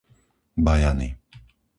Bajany